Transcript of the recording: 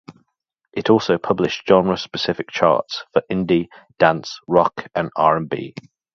It also published genre specific charts, for Indie, Dance, Rock and R and B.